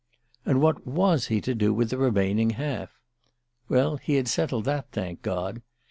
And what was he to do with the remaining half? Well, he had settled that, thank God!